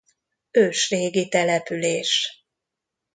Ősrégi település.